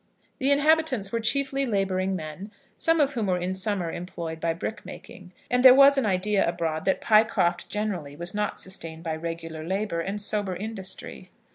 The inhabitants were chiefly labouring men, some of whom were in summer employed in brick making; and there was an idea abroad that Pycroft generally was not sustained by regular labour and sober industry.